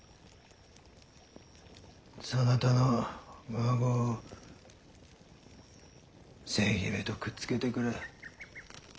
そなたの孫千姫とくっつけてくれ。